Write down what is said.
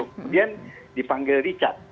kemudian dipanggil richard